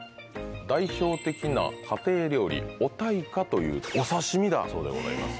代表的な家庭料理「オタイカ」というお刺し身だそうでございます。